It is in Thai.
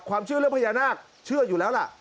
เชื่อเรื่องพญานาคเชื่ออยู่แล้วล่ะ